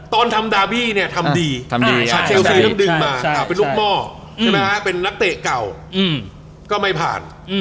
ตอนทำดาบี้เนี่ยทำดีทำดึงมาเป็นลูกหม้อเป็นนักเตะเก่าก็ไม่ผ่าน